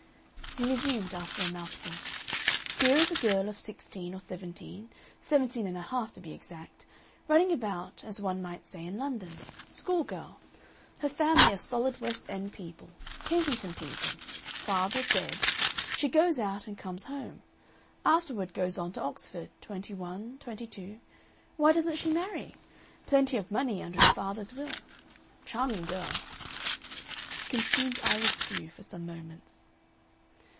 He resumed, after a mouthful: "Here is a girl of sixteen or seventeen, seventeen and a half to be exact, running about, as one might say, in London. Schoolgirl. Her family are solid West End people, Kensington people. Father dead. She goes out and comes home. Afterward goes on to Oxford. Twenty one, twenty two. Why doesn't she marry? Plenty of money under her father's will. Charming girl." He consumed Irish stew for some moments.